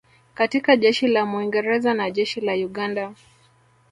katika Jeshi la Mwingereza na Jeshi la Uganda